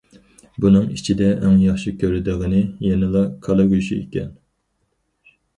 بۇنىڭ ئىچىدە ئەڭ ياخشى كۆرىدىغىنى يەنىلا كالا گۆشى ئىكەن.